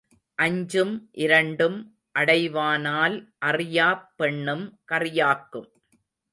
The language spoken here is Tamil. அஞ்சும் இரண்டும் அடைவானால் அறியாப் பெண்ணும் கறியாக்கும்.